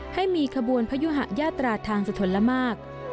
ให้มีขบวนพยุหะยาตราทางสะทนละมาก